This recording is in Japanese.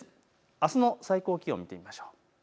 あすの最高気温を見ていきましょう。